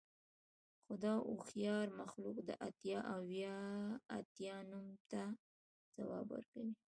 خو دا هوښیار مخلوق د اتیا اوه اتیا نوم ته ځواب ورکوي